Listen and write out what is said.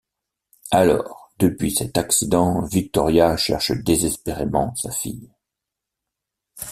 Alors, depuis cet accident, Victoria cherche désespérément sa fille...